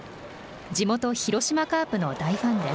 地元広島カープの大ファンです。